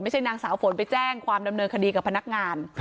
นางสาวฝนไปแจ้งความดำเนินคดีกับพนักงาน